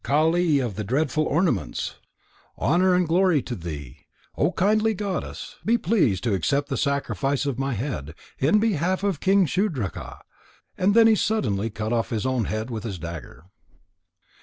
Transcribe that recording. Kali of the dreadful ornaments! Honour and glory to thee, O kindly goddess! Be pleased to accept the sacrifice of my head in behalf of King Shudraka." Then he suddenly cut off his own head with his dagger.